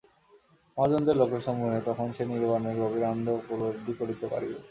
মহাজনদের লোকসমূহে তখন সে নির্বাণের গভীর আনন্দ উপলব্ধি করিতে থাকিবে।